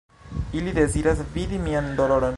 "Ili deziras vidi mian doloron."